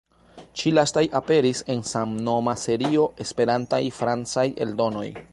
Ĉi-lastaj aperis en samnoma serio "Esperantaj francaj eldonoj".